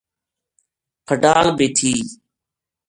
پھٹال بے تھی۔